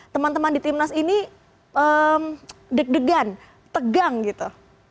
teman teman di timnas ini deg degan tegang gitu